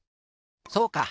そうか！